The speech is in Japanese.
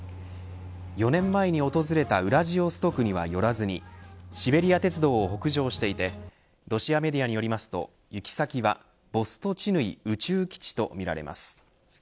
４年前に訪れたウラジオストクには寄らずにシベリア鉄道を北上していてロシアメディアによりますと行き先はボストチヌイ宇宙基地とみられます。